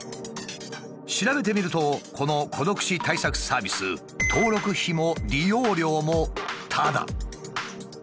調べてみるとこの孤独死対策サービス登録費も利用料もタダ。